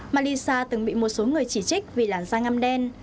malisa từng bị một số người chỉ trích vì làn da ngăm đen